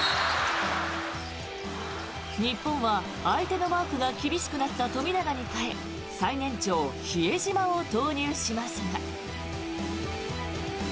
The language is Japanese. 日本は相手のマークが厳しくなった富永に代え最年長、比江島を投入しますが。